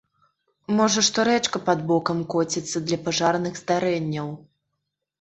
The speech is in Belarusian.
Можа, што рэчка пад бокам коціцца для пажарных здарэнняў.